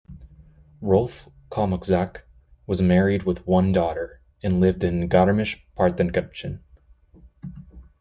Rolf Kalmuczak was married with one daughter and lived in Garmisch-Partenkirchen.